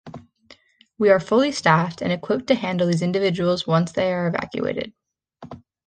We are fully staffed and equipped to handle these individuals once they are evacuated.